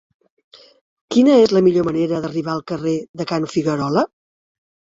Quina és la millor manera d'arribar al carrer de Can Figuerola?